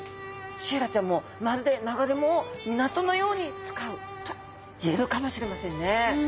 シイラちゃんもまるで流れ藻を港のように使うと言えるかもしれませんね。